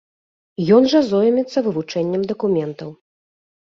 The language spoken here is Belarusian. Ён жа зоймецца вывучэннем дакументаў.